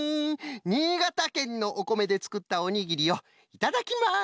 新潟県のおこめでつくったおにぎりをいただきます！